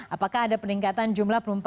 apakah ada peningkatan jumlah penumpang